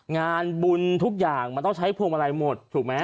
งานบุญทุกอย่างมันต้องใช้พวงมาลัยหมดถูกไหม